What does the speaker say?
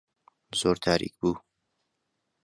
زۆر تاریک بوو.